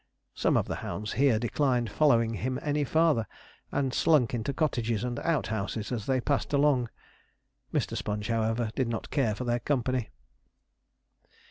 Some of the hounds here declined following him any farther, and slunk into cottages and outhouses as they passed along. Mr. Sponge, however, did not care for their company.